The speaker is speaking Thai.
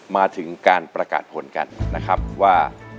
มาถึงการประกาศผลกันนะครับว่า